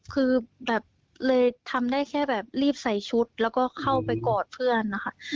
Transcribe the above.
คือแบบเลยทำได้แค่แบบรีบใส่ชุดแล้วก็เข้าไปกอดเพื่อนนะคะ